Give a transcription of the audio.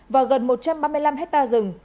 và gần một trăm ba mươi năm hecta rừng